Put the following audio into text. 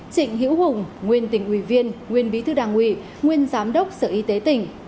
trịnh hiễu hùng nguyên tỉnh ủy viên nguyên bí thư đảng ủy nguyên giám đốc sở y tế tỉnh